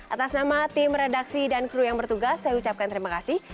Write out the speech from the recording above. atas nama tim redaksi dan kru yang bertugas saya ucapkan terima kasih